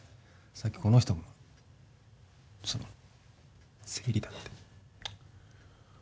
さっき、この人もその生理だって。